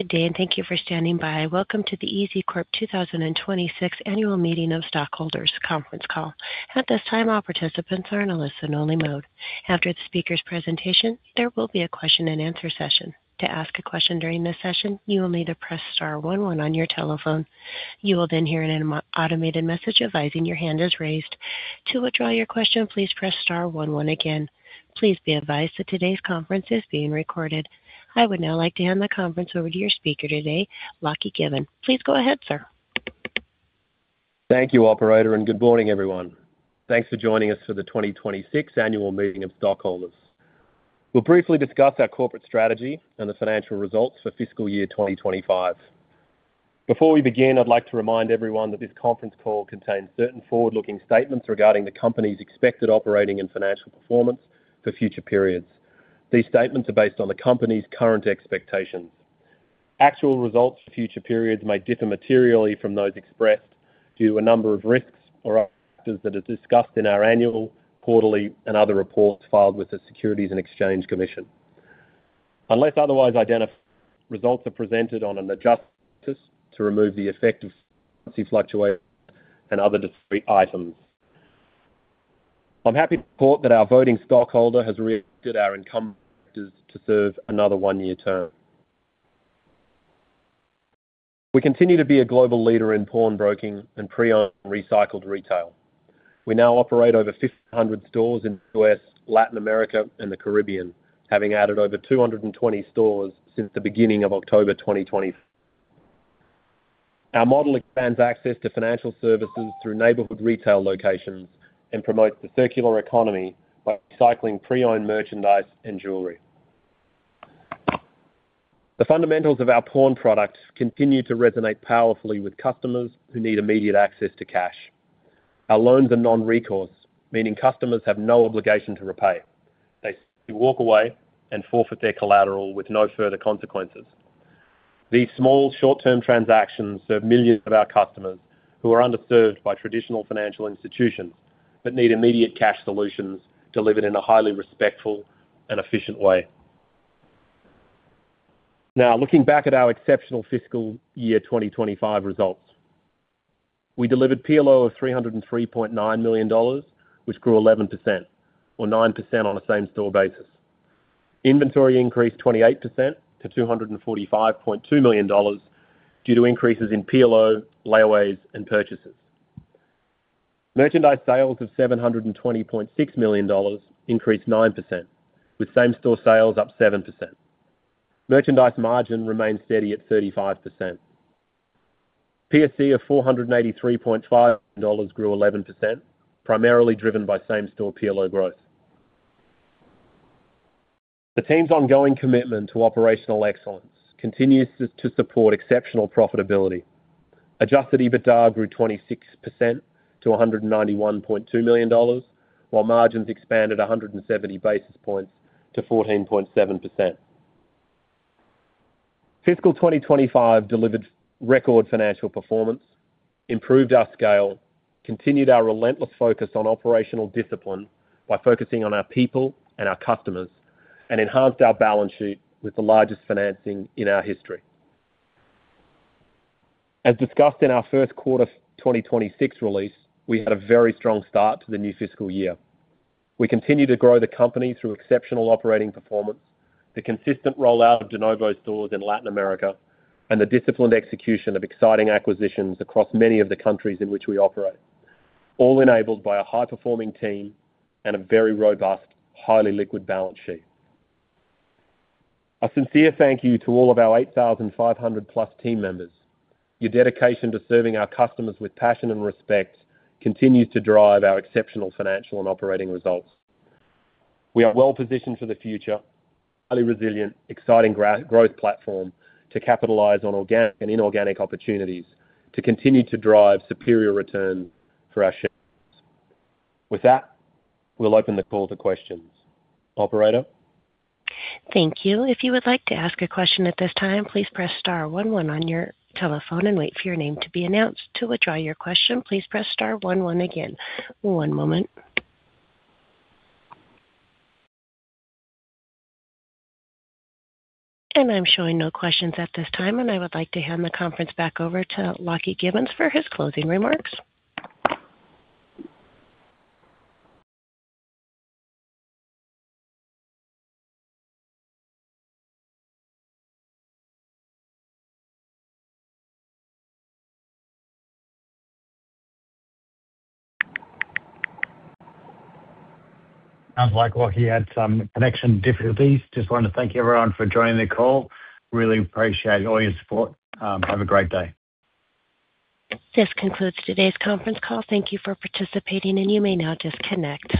Good day, and thank you for standing by welcome to the EZCORP 2026 Annual Meeting of Stockholders conference call. At this time, all participants are in a listen only mode. After the speaker's presentation, there will be a question-and-answer session. To ask a question during this session, you will need to press star one one on your telephone. You will then hear an automated message advising your hand is raised. To withdraw your question, please press star one one again. Please be advised that today's conference is being recorded. I would now like to hand the conference over to your speaker today, Lachlan P. Given. Please go ahead, sir. Thank you, operator, and good morning, everyone. Thanks for joining us for the 2026 Annual Meeting of Stockholders. We'll briefly discuss our corporate strategy and the financial results for fiscal year 2025. Before we begin, I'd like to remind everyone that this conference call contains certain forward-looking statements regarding the company's expected operating and financial performance for future periods. These statements are based on the company's current expectations. Actual results for future periods may differ materially from those expressed due to a number of risks or other factors that are discussed in our annual, quarterly, and other reports filed with the Securities and Exchange Commission. Unless otherwise identified, results are presented on an adjusted basis to remove the effect of currency fluctuations and other discrete items. I'm happy to report that our voting stockholder has reelected our incumbent directors to serve another one-year term. We continue to be a global leader in pawnbroking and pre-owned recycled retail. We now operate over 1,500 stores in U.S., Latin America, and the Caribbean, having added over 220 stores since the beginning of October 2020. Our model expands access to financial services through neighborhood retail locations and promotes the circular economy by recycling pre-owned merchandise and jewelry. The fundamentals of our pawn products continue to resonate powerfully with customers who need immediate access to cash. Our loans are non-recourse, meaning customers have no obligation to repay. They simply walk away and forfeit their collateral with no further consequences. These small short-term transactions serve millions of our customers who are underserved by traditional financial institutions, but need immediate cash solutions delivered in a highly respectful and efficient way. Now, looking back at our exceptional fiscal year 2025 results. We delivered PLO of $303.9 million, which grew 11% or 9% on a same-store basis. Inventory increased 28% to $245.2 million due to increases in PLO, layaways, and purchases. Merchandise sales of $720.6 million increased 9%, with same-store sales up 7%. Merchandise margin remained steady at 35%. PSC of $483.5 million grew 11%, primarily driven by same-store PLO growth. The team's ongoing commitment to operational excellence continues to support exceptional profitability. Adjusted EBITDA grew 26% to $191.2 million, while margins expanded 170 basis points to 14.7%. Fiscal 2025 delivered record financial performance, improved our scale, continued our relentless focus on operational discipline by focusing on our people and our customers, and enhanced our balance sheet with the largest financing in our history. As discussed in our Q1 2026 release, we had a very strong start to the new fiscal year. We continue to grow the company through exceptional operating performance, the consistent rollout of de novo stores in Latin America, and the disciplined execution of exciting acquisitions across many of the countries in which we operate, all enabled by a high-performing team and a very robust, highly liquid balance sheet. A sincere thank you to all of our +8,500 team members. Your dedication to serving our customers with passion and respect continues to drive our exceptional financial and operating results. We are well positioned for the future highly resilient, exciting growth platform to capitalize on organic and inorganic opportunities to continue to drive superior return for our shareholders. With that, we'll open the call to questions. Operator? Thank you. If you would like to ask a question at this time, please press star one one on your telephone and wait for your name to be announced to withdraw your question, please press star one one again. One moment. I'm showing no questions at this time, and I would like to hand the conference back over to Lachlan Given for his closing remarks. Sounds like Lachlan P. Given had some connection difficulties. Just want to thank everyone for joining the call. Really appreciate all your support. Have a great day. This concludes today's conference call. Thank you for participating, and you may now disconnect.